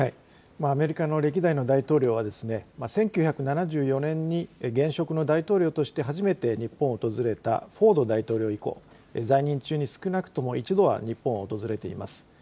アメリカの歴代の大統領は、１９７４年に現職の大統領として初めて日本を訪れたフォード大統領以降、在任中に少なくとも一度は日本を訪れています。